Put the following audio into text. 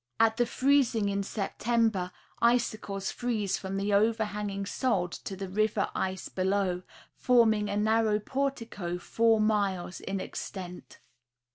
At the freezing in September, icicles freeze from the overhanging sod to the river ice below, forming a narrow portico four miles in extent.